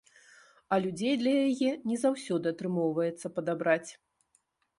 А людзей для яе не заўсёды атрымоўваецца падабраць.